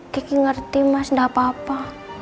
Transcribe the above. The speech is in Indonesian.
kiki ngerti mas nggak apa apa